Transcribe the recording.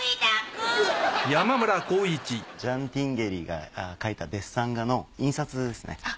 ジャン・ティンゲリーが描いたデッサン画の印刷ですね。